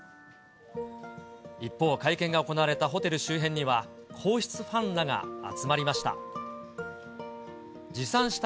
一方、会見が行われたホテル周辺には、皇室ファンらが集まりました。